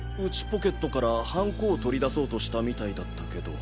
ポケットからハンコを取り出そうとしたみたいだったけど。